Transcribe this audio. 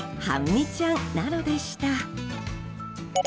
はんみちゃんなのでした。